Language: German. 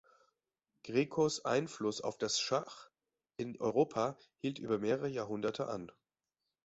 Grecos Einfluss auf das Schach in Europa hielt über mehrere Jahrhunderte an.